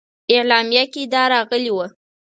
اعلامیه کې دا راغلي وه.